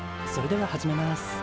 それでは始めます。